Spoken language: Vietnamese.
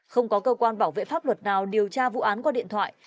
không có cơ quan bảo vệ pháp luật nào điều tra vụ án qua điện thoại